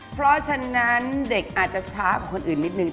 เพราะฉะนั้นเด็กอาจจะช้ากว่าคนอื่นนิดนึง